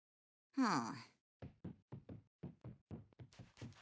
はあ！？